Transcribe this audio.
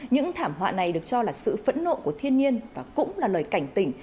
những thảm họa này được cho là sự phẫn nộ của thiên nhiên và cũng là lời cảnh tỉnh